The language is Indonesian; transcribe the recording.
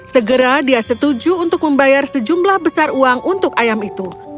segera dia setuju untuk membayar sejumlah besar uang untuk ayam itu